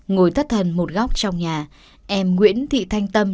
ngồi thất thần một góc trong nhà em nguyễn thị thanh tâm